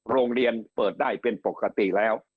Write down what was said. โรงเรียนเปิดได้เป็นปกติแล้ว